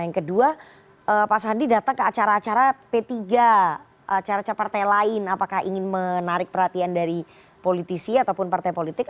yang kedua pak sandi datang ke acara acara p tiga acara acara partai lain apakah ingin menarik perhatian dari politisi ataupun partai politik